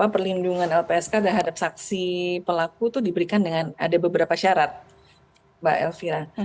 perlindungan lpsk terhadap saksi pelaku itu diberikan dengan ada beberapa syarat mbak elvira